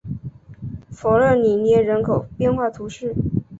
弗勒里涅人口变化图示